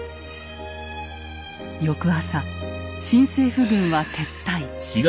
翌朝新政府軍は撤退。